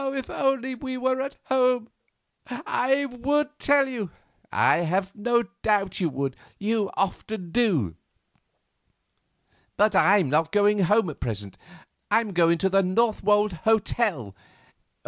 if only we were at home, I would tell you——" "I have no doubt you would—you often do; but I'm not going home at present. I am going to the Northwold hotel."